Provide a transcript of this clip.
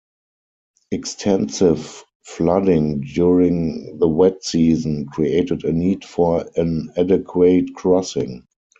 Extensive flooding during the wet season created a need for an adequate crossing.